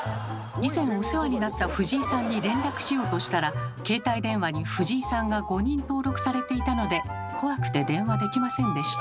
以前お世話になったフジイさんに連絡しようとしたら携帯電話にフジイさんが５人登録されていたので怖くて電話できませんでした。